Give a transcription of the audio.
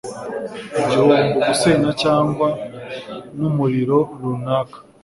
igihombo gusenya cyangwa n'umuriro runaka